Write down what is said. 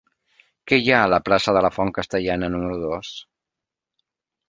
Què hi ha a la plaça de la Font Castellana número dos?